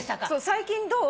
「最近どう？」